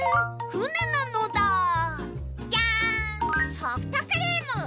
ソフトクリーム！